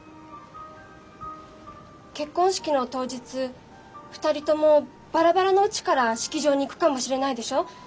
結婚式の当日２人ともバラバラの家から式場に行くかもしれないでしょう。